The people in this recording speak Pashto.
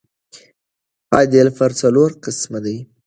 عدل پر څلور قسمه دئ.